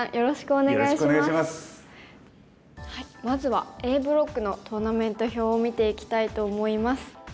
まずはＡブロックのトーナメント表を見ていきたいと思います。